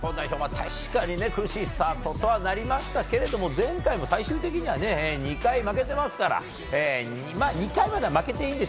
確かに苦しいスタートとはなりましたけども前回も最終的には２回負けてますから２回までは負けていいんです。